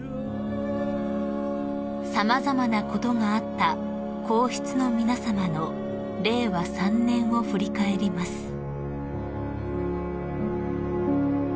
［様々なことがあった皇室の皆さまの令和３年を振り返ります］